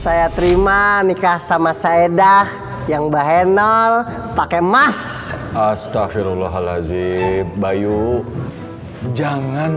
saya terima nikah sama saedah yang bahenol pakai emas astaghfirullahaladzim bayu jangan